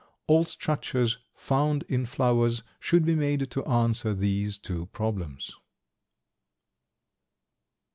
All structures found in flowers should be made to answer these two problems.